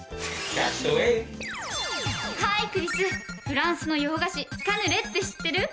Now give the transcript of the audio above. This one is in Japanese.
フランスの洋菓子カヌレって知ってる？